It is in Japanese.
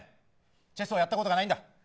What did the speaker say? チェスをやったことがないんだ。